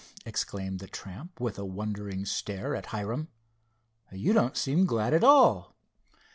exclaimed the tramp with a wondering stare at Hiram, "you don't seem glad at all."